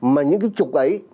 mà những cái trục ấy